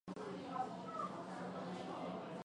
馬鹿にはなりたくないんでね。